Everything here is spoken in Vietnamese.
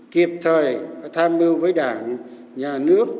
kịp thời tham mưu với đảng nhà nước